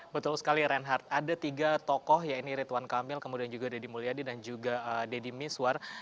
betul sekali reinhard ada tiga tokoh ya ini ridwan kamil kemudian juga deddy mulyadi dan juga deddy miswar